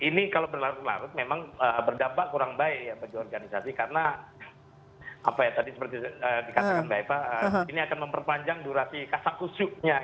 ini kalau berlarut larut memang berdampak kurang baik ya bagi organisasi karena apa ya tadi seperti dikatakan mbak eva ini akan memperpanjang durasi kasakusyuknya